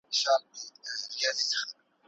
ده د يووالي ساتنه د بقا شرط ګاڼه.